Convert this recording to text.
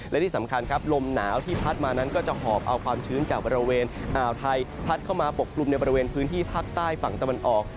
และที่สำคัญครับลมหนาวที่พัดมานั้นก็จะหอบเอาความชื้นจากบริเวณอ่าวไทยพัดเข้ามาปกกลุ่มในบริเวณพื้นที่ภาคใต้ฝั่งตะวันออก